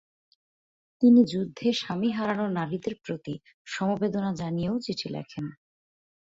তিনি যুদ্ধে স্বামী হারানো নারীদের প্রতি সমবেদনা জানিয়েও চিঠি লেখেন।